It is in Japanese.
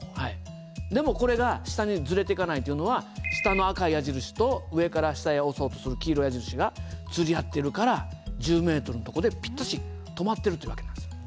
でもこれが下にずれていかないというのは下の赤い矢印と上から下へ押そうとする黄色い矢印が釣り合ってるから１０ｍのとこでぴったし止まってるという訳なんですよ。